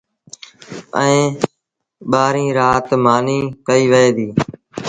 ائيٚݩ ٻآهريٚݩ رآت مآݩيٚ ڪئيٚ وهي ديٚ